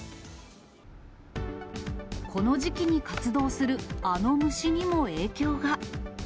この時期に活動するあの虫にも影響が。